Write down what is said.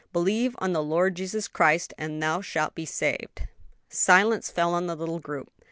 'Believe on the Lord Jesus Christ and thou shalt be saved.'" Silence fell on the little group.